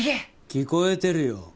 聞こえてるよ。